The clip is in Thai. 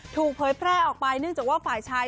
เผยแพร่ออกไปเนื่องจากว่าฝ่ายชาย